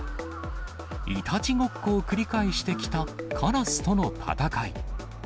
いたちごっこを繰り返してきたカラスとの戦い。